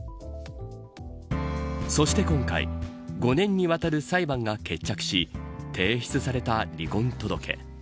そして今回５年にわたる裁判が決着し提出された離婚届。